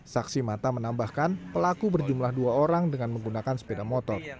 saksi mata menambahkan pelaku berjumlah dua orang dengan menggunakan sepeda motor